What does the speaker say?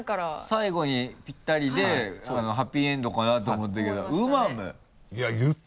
最後にぴったりでハッピーエンドかなと思ったけど思いましたね。